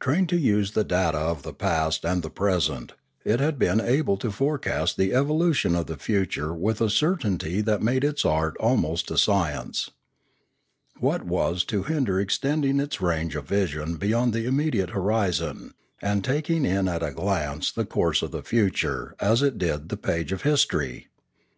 Trained to use the data of the past and the present, it had been able to forecast the evolution of the future with a cer tainty that made its art almost a science. What was to hinder extending its range of vision beyond the im mediate horizon, and taking in at a glance the course of the future as it did the page of history ?